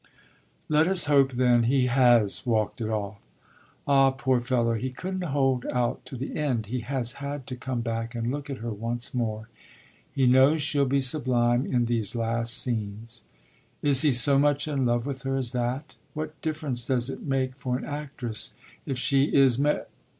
"Let us hope, then, he has walked it off!" "Ah poor fellow he couldn't hold out to the end; he has had to come back and look at her once more. He knows she'll be sublime in these last scenes." "Is he so much in love with her as that? What difference does it make for an actress if she is mar